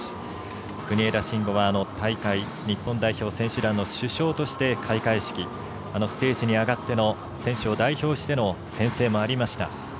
国枝慎吾は大会日本代表選手団の主将として開会式ステージに上がっての選手を代表しての宣誓がありました。